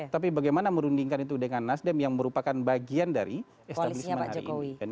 tapi bagaimana merundingkan itu dengan nasdem yang merupakan bagian dari establishment hari ini